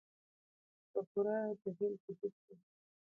په پوره جهل کې ډوب دي.